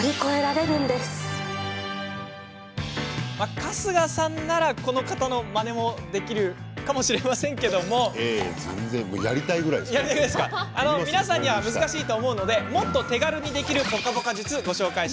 春日さんなら、この方のまねもできるかもしれませんが皆さんには難しいと思うのでもっと手軽にできるぽかぽか術をご紹介。